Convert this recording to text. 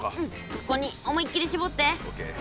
ここに思いっきりしぼって。